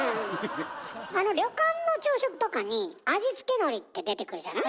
旅館の朝食とかに「味付けのり」って出てくるじゃない？